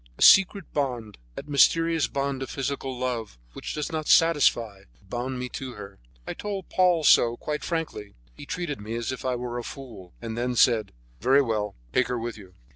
A secret bond, that mysterious bond of physical love, which does not satisfy, bound me to her. I told Paul so, quite frankly. He treated me as if I were a fool, and then said: "Very well, take her with you."